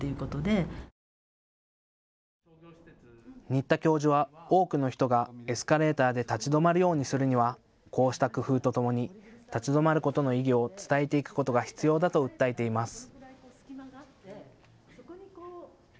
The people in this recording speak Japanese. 新田教授は多くの人がエスカレーターで立ち止まるようにするにはこうした工夫とともに立ち止まることの意義を伝えていくことが必要だと訴えています。